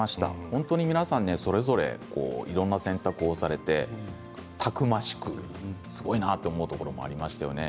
本当に皆さん、それぞれいろんな選択をされてたくましく、すごいなと思うところもありましたよね。